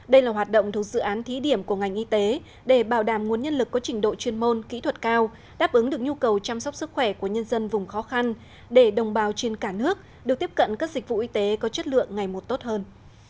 đây là hoạt động thuộc dự án thí điểm của ngành y tế để bảo đảm nguồn nhân lực có trình độ chuyên môn kỹ thuật cao đáp ứng được nhu cầu chăm sóc sức khỏe của nhân dân vùng khó khăn để đồng bào trên cả nước được tiếp cận các dịch vụ y tế có chất lượng ngày một tốt hơn